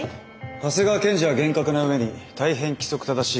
長谷川検事は厳格な上に大変規則正しい方だと伺っています。